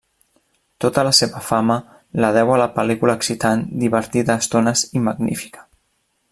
Tota la seva fama, la deu a la pel·lícula excitant, divertida a estones i magnífica.